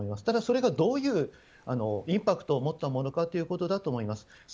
ただ、それがどういうインパクトを持ったものかということだと思います。